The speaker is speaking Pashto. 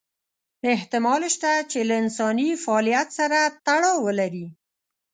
احتمال شته چې له انساني فعالیت سره تړاو ولري.